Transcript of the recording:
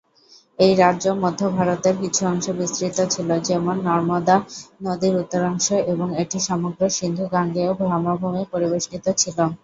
এই রাজ্য মধ্য ভারতের কিছু অংশে বিস্তৃত ছিল, যেমন নর্মদা নদীর উত্তরাংশ, এবং এটি সমগ্র সিন্ধু-গাঙ্গেয় সমভূমি পরিবেষ্টিত ছিল।